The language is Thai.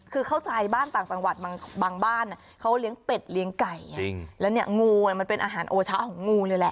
คือเข้าใจบ้านต่างจังหวัดบางบ้านเขาเลี้ยงเป็ดเลี้ยงไก่จริงแล้วเนี่ยงูมันเป็นอาหารโอชะของงูเลยแหละ